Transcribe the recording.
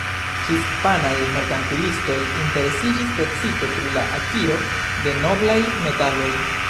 Hispanaj merkantilistoj interesiĝis precipe pri la akiro de noblaj metaloj.